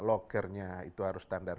lockernya itu harus standar